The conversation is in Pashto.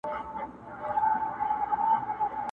ستا آواز به زه تر عرشه رسومه!.